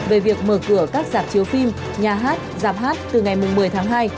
về việc mở cửa các giảm chiếu phim nhà hát giảm hát từ ngày một mươi tháng hai